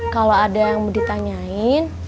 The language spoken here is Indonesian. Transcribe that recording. kalau ada yang mau ditanyain